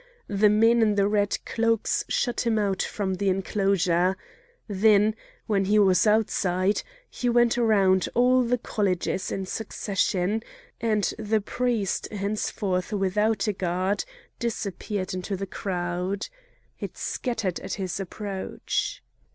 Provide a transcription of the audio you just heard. The men in the red cloaks shut him out from the enclosure; then, when he was outside, he went round all the colleges in succession, and the priest, henceforth without a god, disappeared into the crowd. It scattered at his approach.